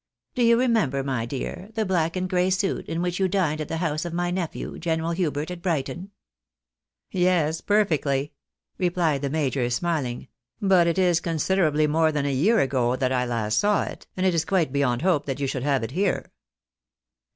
Do you remember, my dear, the black and gray suit in which you dined at the house of my nephew. General Hubert, at Brighton? "" Yes, perfectly," replied the major, smiling, " but it is con siderably more than a year ago that I last saw it, and it is quite beyond hope that you should have it here."